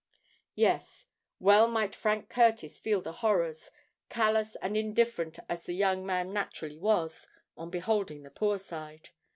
Yes:—well might Frank Curtis feel the horrors—callous and indifferent as the young man naturally was—on beholding the Poor Side.